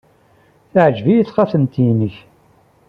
Teɛjeb-iyi txatemt-nnek.